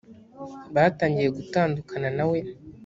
batangiye gutandukana na we